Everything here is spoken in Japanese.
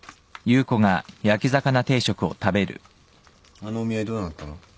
あのお見合いどうなったの？